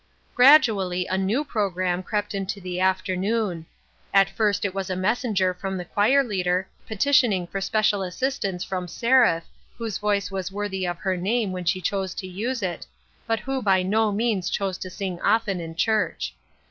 Gradually a new programme crept into the after noon. At first it was a messenger from the choir leader, petitioning for special assistance from Seraph, whose voice was worthy of her name when she chose to use it, but who by no means chose to sing often in church.